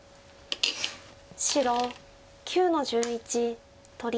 白９の十一取り。